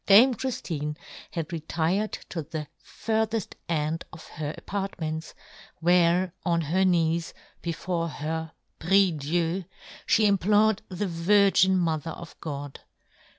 Dame Chrifline had retired to the John Gutenberg. jj furtheft end of her apartments, where on her knees, before her prie Dieu, fhe implored the Virgin mother of God.